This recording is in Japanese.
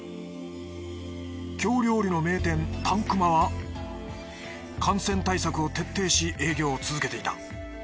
京料理の名店たん熊は感染対策を徹底し営業を続けていた。